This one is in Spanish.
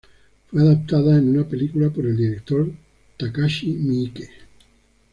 Fue adaptada en una película por el director Takashi Miike.